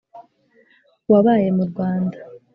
wabaye mu rwanda.